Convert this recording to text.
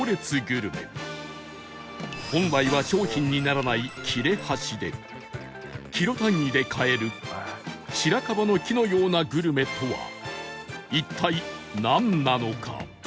本来は商品にならない切れ端でキロ単位で買える白樺の木のようなグルメとは一体なんなのか？